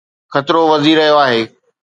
خطرو وڌي رهيو آهي